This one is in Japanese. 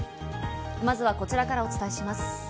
まずはこちらからお伝えします。